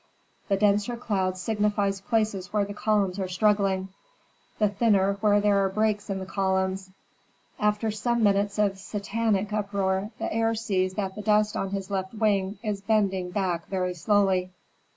The denser cloud signifies places where the columns are struggling; the thinner, where there are breaks in the columns. After some minutes of satanic uproar the heir sees that the dust on his left wing is bending back very slowly.